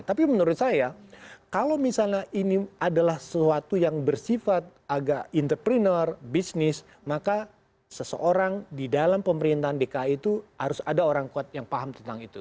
tapi menurut saya kalau misalnya ini adalah sesuatu yang bersifat agak entrepreneur bisnis maka seseorang di dalam pemerintahan dki itu harus ada orang kuat yang paham tentang itu